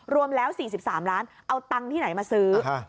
รวมแล้ว๔๓ล้านเอาตังค์ที่ไหนมาซื้อ